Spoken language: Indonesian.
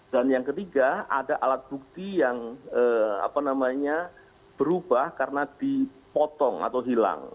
dan yang ketiga ada alat bukti yang berubah karena dipotong atau hilang